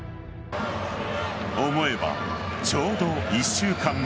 思えば、ちょうど１週間前。